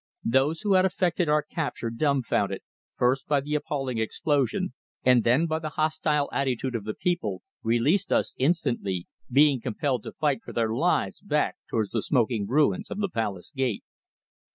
Those who had effected our capture, dumbfounded, first by the appalling explosion, and then by the hostile attitude of the people, released us instantly, being compelled to fight for their lives back towards the smoking ruins of the palace gate.